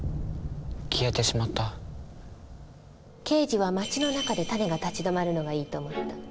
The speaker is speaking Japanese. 圭次は町の中でタネが立ち止まるのがいいと思った。